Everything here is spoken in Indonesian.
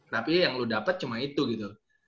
tapi yang lo dapet cuma itu gitu